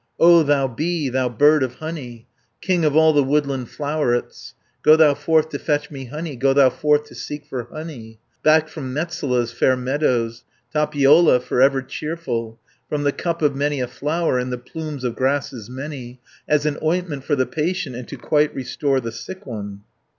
"O thou bee, thou bird of honey, King of all the woodland flowerets, Go thou forth to fetch me honey, Go thou forth to seek for honey, Back from Metsola's fair meadows, Tapiola, for ever cheerful, From the cup of many a flower. And the plumes of grasses many, 400 As an ointment for the patient, And to quite restore the sick one."